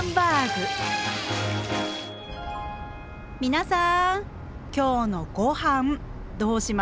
皆さん今日のごはんどうします？